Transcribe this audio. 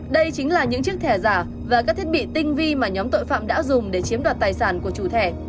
đây chính là những chiếc thẻ giả và các thiết bị tinh vi mà nhóm tội phạm đã dùng để chiếm đoạt tài sản của chủ thẻ